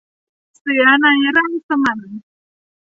เสือในร่างสมัน